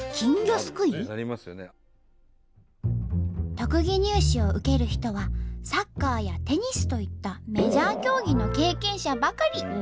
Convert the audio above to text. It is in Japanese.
特技入試を受ける人はサッカーやテニスといったメジャー競技の経験者ばかり。